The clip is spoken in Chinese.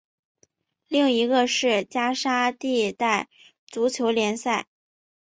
另一个是加沙地带足球联赛。